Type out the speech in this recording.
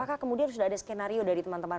apakah kemudian sudah ada skenario dari teman teman